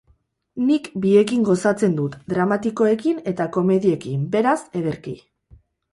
Nik biekin gozatzen dut, dramatikoekin eta komediekin, beraz, ederki.